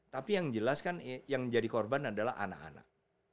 tapi yang jelas kan yang menjadi korban adalah anak anak